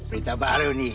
berita baru nih